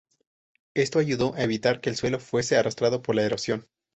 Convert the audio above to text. Esto ayudó a evitar que el suelo fuese arrastrado por la erosión.